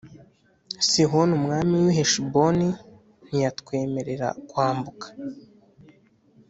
Sihoni umwami w i heshiboni ntiyatwemerera kwambuka